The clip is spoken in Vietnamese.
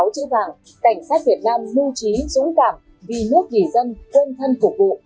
một mươi sáu chữ vàng cảnh sát việt nam nu trí dũng cảm vì nước dì dân quân thân cục vụ